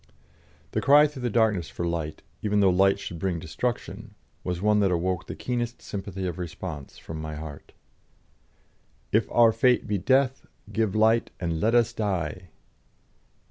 The cry through the darkness for light, even though light should bring destruction, was one that awoke the keenest sympathy of response from my heart: "If our fate be death Give light, and let us die!"